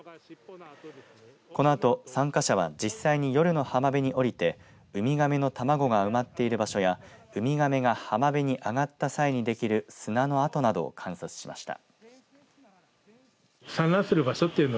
このあと参加者は実際に夜の浜辺に降りてウミガメの卵が埋まっている場所やウミガメが浜辺に上がった際にできる砂の跡などを観察しました。